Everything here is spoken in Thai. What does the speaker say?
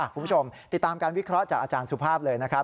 คุณผู้ชมติดตามการวิเคราะห์จากอาจารย์สุภาพเลยนะครับ